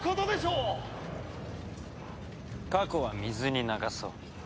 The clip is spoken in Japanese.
過去は水に流そう。